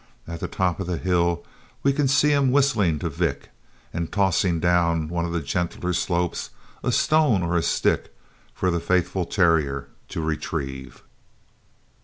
At the top of the hill we can see him whistling to Vick, and tossing down one of the gentler slopes a stone or stick for the faithful terrier to retrieve.